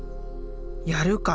やるか。